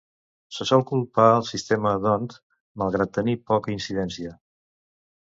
Se sol culpar el sistema d'Hondt, malgrat tenir poca incidència.